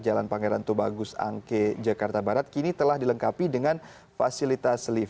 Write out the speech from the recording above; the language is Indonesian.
jalan pangeran tubagus angke jakarta barat kini telah dilengkapi dengan fasilitas lift